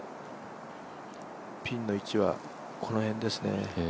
ピンの位置はこの辺ですね。